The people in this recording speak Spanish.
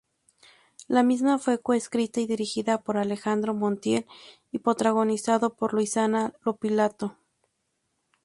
La misma fue coescrita y dirigida por Alejandro Montiel; y protagonizada por Luisana Lopilato.